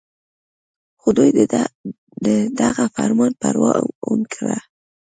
خو دوي د دغه فرمان پروا اونکړه